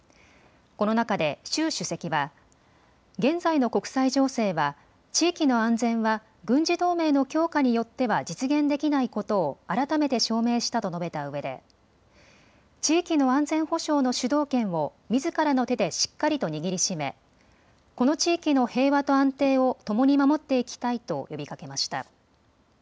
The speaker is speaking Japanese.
この中で習主席は現在の国際情勢は地域の安全は軍事同盟の強化によっては実現できないことを改めて証明したと述べたうえで地域の安全保障の主導権をみずからの手でしっかりと握りしめこの地域の平和と安定を共に守っていきたいと呼びかけました。